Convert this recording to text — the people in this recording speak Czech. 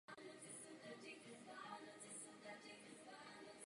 Narodil se v bohaté rodině židovského továrníka jako nejmladší z osmi dětí.